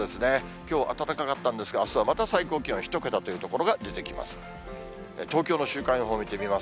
きょう暖かかったんですが、あすはまた最高気温１桁という所が出てきます。